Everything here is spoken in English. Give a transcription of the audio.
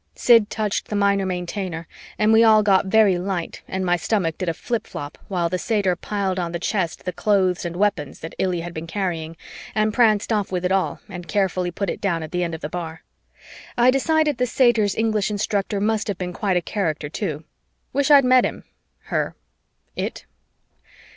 Sid touched the Minor Maintainer and we all got very light and my stomach did a flip flop while the satyr piled on the chest the clothes and weapons that Illy had been carrying and pranced off with it all and carefully put it down at the end of the bar. I decided the satyr's English instructor must have been quite a character, too. Wish I'd met him her it.